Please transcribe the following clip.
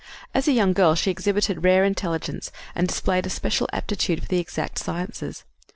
As a young girl she exhibited rare intelligence and displayed special aptitude for the exact sciences.